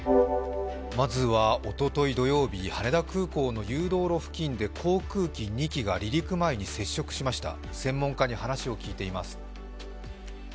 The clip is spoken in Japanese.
まずはおととい土曜日羽田空港の誘導路付近で航空機２機が離陸前に接触しました専門家に話を聞いています。